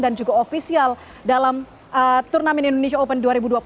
dan juga ofisial dalam turnamen indonesia open dua ribu dua puluh tiga